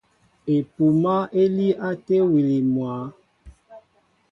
Epúmā é líí á téwili mwǎ.